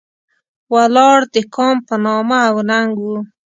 ولاړ د کام په نام او ننګ و.